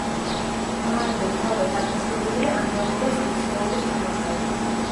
ბაადე უმთავრესად ცნობილია ანდრომედეს ნისლეულის გამოკვლევით.